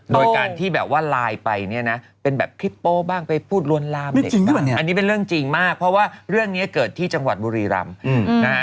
โดยการที่ลายไปเป็นแบบคลิปโป้บ้างไปพูดล้วนลามเด็กกันอันนี้เป็นเรื่องจริงมากเพราะว่าเรื่องนี้เกิดที่จังหวัดบุรีรำ